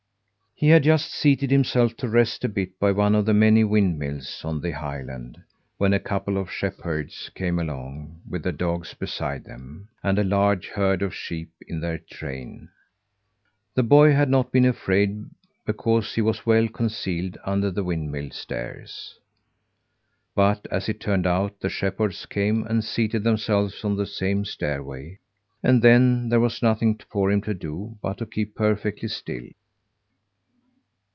He had just seated himself to rest a bit by one of the many windmills on the highland, when a couple of shepherds came along with the dogs beside them, and a large herd of sheep in their train. The boy had not been afraid because he was well concealed under the windmill stairs. But as it turned out, the shepherds came and seated themselves on the same stairway, and then there was nothing for him to do but to keep perfectly still.